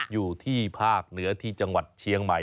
อยู่ที่ภาคเหนือที่จังหวัดเชียงใหม่